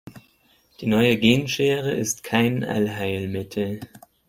Die neue Genschere ist kein Allheilmittel.